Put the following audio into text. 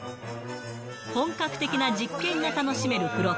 本格的な実験が楽しめる付録。